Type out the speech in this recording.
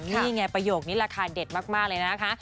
นี่ไงประโยคนี้ราคาเด็ดมากเลยนะคะ